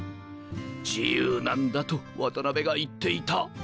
自由なんだと渡辺が言っていた。